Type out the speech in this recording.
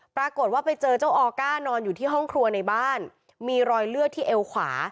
ปรากฏว่าไปเจอเจ้าออก้านอนอยู่ที่ห้องครัวในบ้านมีรอยเลือดที่เอวขวา